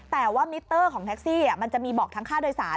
แต่ว่ามิเตอร์ของแท็กซี่มันจะมีบอกทั้งค่าโดยสาร